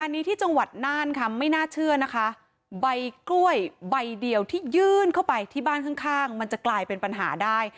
อันนี้ที่จังหวัดน่านค่ะไม่น่าเชื่อนะคะใบกล้วยใบเดียวที่ยื่นเข้าไปที่บ้านข้างข้างมันจะกลายเป็นปัญหาได้